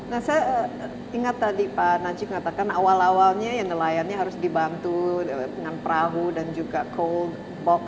nah saya ingat tadi pak najib katakan awal awalnya ya nelayannya harus dibantu dengan perahu dan juga cold box